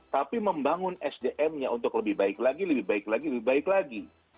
tapi membangun sdm nya untuk lebih baik lagi lebih baik lagi lebih baik lagi